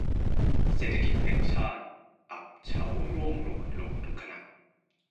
เศรษฐกิจแห่งชาติอับเฉาร่วงโรยลงทุกขณะ